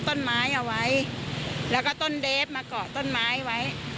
ต้นไม้เอาไว้แล้วก็ต้นเดฟมาเกาะต้นไม้ไว้